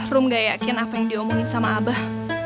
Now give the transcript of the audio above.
rum gak yakin apa yang diomongin sama abah